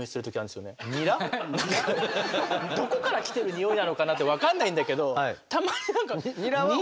どこから来てるニオイなのかなって分かんないんだけどたまに何かニラ？